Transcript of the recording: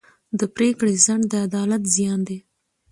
د پرېکړې ځنډ د عدالت زیان دی.